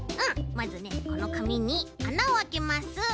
まずねこのかみにあなをあけます。